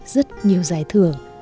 rất nhiều giải thưởng